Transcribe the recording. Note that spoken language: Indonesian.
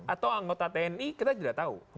atau anggota tni kita tidak tahu